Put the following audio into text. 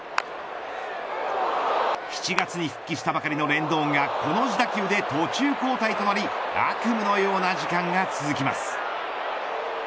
７月に復帰したばかりのレンドンがこの自打球で途中交代となり悪夢のような時間が続きます。